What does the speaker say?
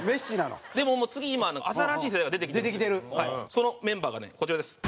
そのメンバーがねこちらです。